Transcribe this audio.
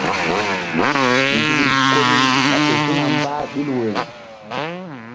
Nzukri ko ni ɓa fe su̧na mbah ɓil woyri.